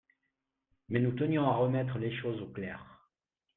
mais nous tenions à remettre les choses au clair.